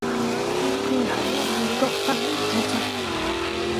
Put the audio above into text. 應該係由美國返嚟嗰陣